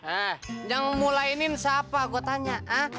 eh yang mau lainin siapa gua tanya ha